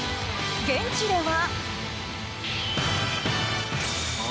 現地では。